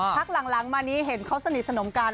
พักหลังมานี้เห็นเขาสนิทสนมกัน